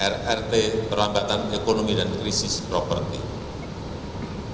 rrt perlambatan ekonomi dan krisis properti